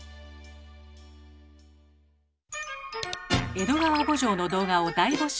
「江戸川慕情」の動画を大募集。